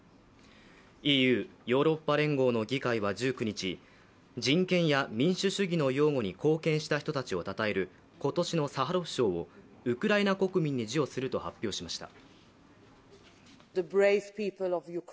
ＥＵ＝ヨーロッパ連合の議会は１９日、人権や民主主義の擁護に貢献した人たちをたたえる今年のサハロフ賞をウクライナ国民に授与すると発表しました。